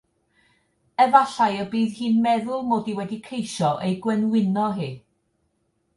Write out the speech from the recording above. Efallai y bydd hi'n meddwl mod i wedi ceisio ei gwenwyno hi.